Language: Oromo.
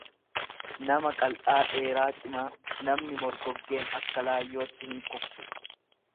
nama qal'aa dheeraa cimaa; Namni morgoggeen akka laaYyootti hinkuf tu.